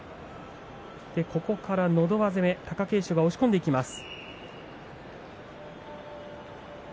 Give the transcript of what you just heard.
のど輪攻め、貴景勝が押し込んでいきます。